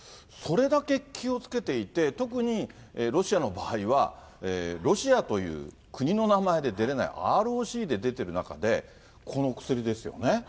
それだけ気をつけていて、特にロシアの場合は、ロシアという国の名前で出れない、ＲＯＣで出てる中で、この薬ですよね。